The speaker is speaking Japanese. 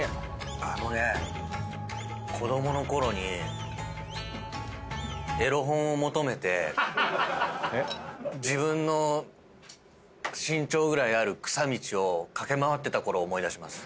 あのね子供のころにエロ本を求めて自分の身長ぐらいある草道を駆け回ってたころ思い出します。